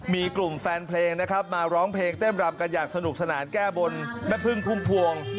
มีกลุ่มแฟนเพลงนะครับมาร้องเพลงเต้นรำกันอย่างสนุกสนานแก้บนแม่พึ่งพุ่มพวง